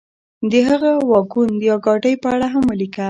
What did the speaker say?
د هغه واګون یا ګاډۍ په اړه هم ولیکه.